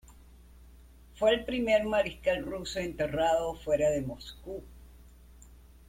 Fue el primer mariscal ruso enterrado fuera de Moscú.